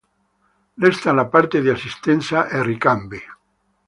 Resta la parte di assistenza e ricambi.